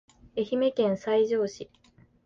愛媛県西条市